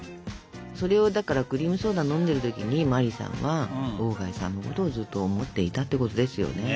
それをだからクリームソーダ飲んでる時に茉莉さんは鴎外さんのことをずっと思っていたってことですよね。ね。